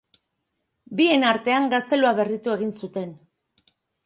Bien artean gaztelua berriztu egin zuten.